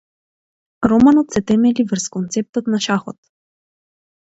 Романот се темели врз концептот на шахот.